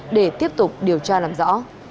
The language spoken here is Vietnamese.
để tiếp tục điều tra làm rõ